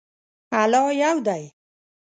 الله یو دی